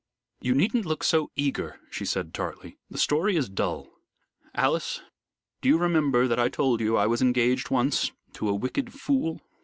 "You needn't look so eager," she said tartly; "the story is dull. Alice, do you remember that I told you I was engaged once to a wicked fool?"